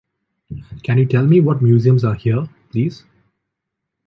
Can you tell me what museums are here, please?